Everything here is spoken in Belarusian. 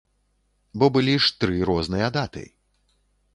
Бо былі ж тры розныя даты.